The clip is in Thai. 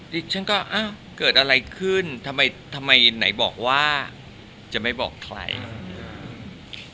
ดิฉันก็อ้าวเกิดอะไรขึ้นทำไมทำไมไหนบอกว่าจะไม่บอกใครอืม